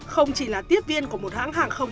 không chỉ là tiếp viên của một hãng hàng không